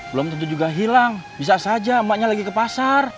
belum tentu juga hilang bisa saja mbaknya lagi ke pasar